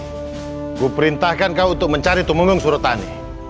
aku perintahkan kamu untuk mencari tumungung surotani